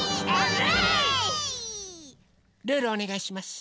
ルールおねがいします。